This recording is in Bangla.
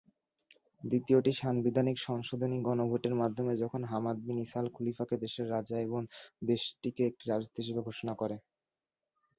দ্বিতীয়টি সাংবিধানিক সংশোধনী গণভোটের মাধ্যমে যখন "হামাদ বিন ঈসা আল খলিফা"-কে দেশের রাজা এবং দেশটিকে একটি রাজত্ব হিসেবে ঘোষণা করে।